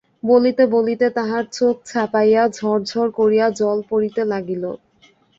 বলিতে বলিতে তাহার চোখ ছাপাইয়া ঝর ঝর করিয়া জল পড়িতে লাগিল।